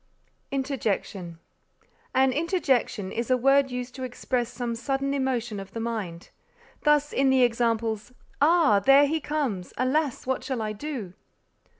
INTERJECTION An interjection is a word used to express some sudden emotion of the mind. Thus in the examples, "Ah! there he comes; alas! what shall I do?"